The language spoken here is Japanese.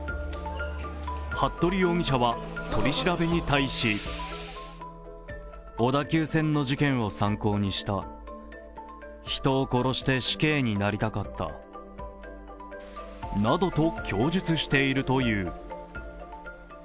服部容疑者は取り調べに対しなどと供述しているという。